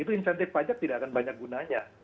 itu insentif pajak tidak akan banyak gunanya